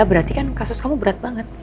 berarti kan kasus kamu berat banget